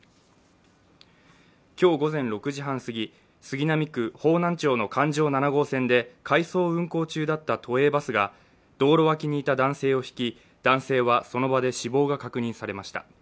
今日午前６時半すぎ杉並区方南町の環状七号線で回送運行中だった都営バスが道路脇にいた男性をひき、男性は、その場で死亡が確認されました。